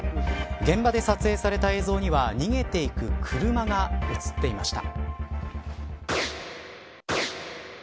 現場で撮影された映像には逃げていく車が映っていました。